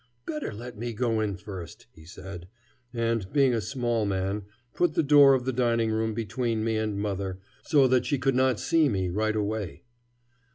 "Better let me go in first," he said, and, being a small man, put the door of the dining room between me and mother, so that she could not see me right away.